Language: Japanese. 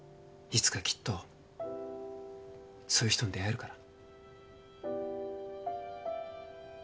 いつかきっとそういう人に出会えるから。